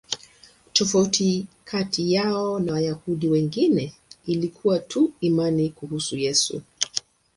Tofauti kati yao na Wayahudi wengine ilikuwa tu imani kuhusu Yesu.